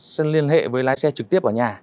sân liên hệ với lái xe trực tiếp ở nhà